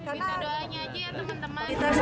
minta doanya aja ya teman teman